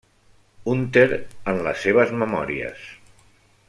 Hunter en les seves memòries.